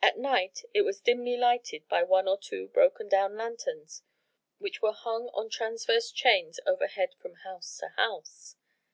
At night it was dimly lighted by one or two broken down lanthorns which were hung on transverse chains overhead from house to house.